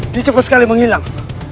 dia cepat sekali menghilang